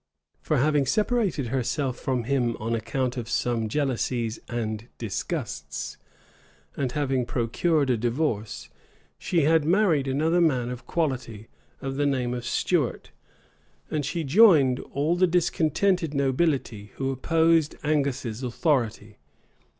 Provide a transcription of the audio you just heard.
For having separated herself from him on account of some jealousies and disgusts, and having procured a divorce, she had married another man of quality, of the name of Stuart; and she joined all the discontented nobility who opposed Angus's authority.